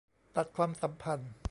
ตัดความสัมพันธ์